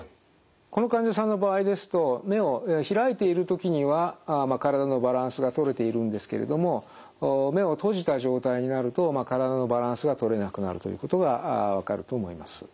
この患者さんの場合ですと目を開いている時には体のバランスがとれているんですけれども目を閉じた状態になると体のバランスがとれなくなるということが分かると思います。